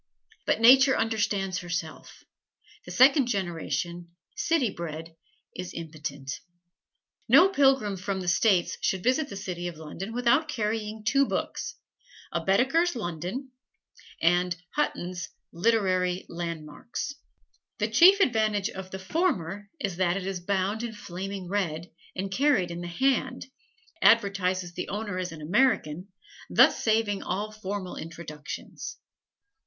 But Nature understands herself: the second generation, city bred, is impotent. No pilgrim from "the States" should visit the city of London without carrying two books: a Baedeker's "London" and Hutton's "Literary Landmarks." The chief advantage of the former is that it is bound in flaming red, and carried in the hand, advertises the owner as an American, thus saving all formal introductions.